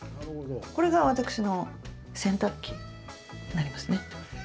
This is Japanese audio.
これが私の洗濯機になりますね。